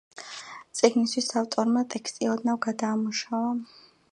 წიგნისათვის ავტორმა ტექსტი ოდნავ გადაამუშავა.